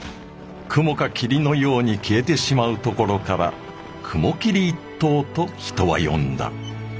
雲か霧のように消えてしまうところから雲霧一党と人は呼んだ。